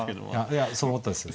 いやそう思ったです。